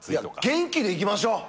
元気でいきましょう！